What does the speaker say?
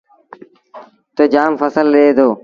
تا جآم ڦسل ڏي دو۔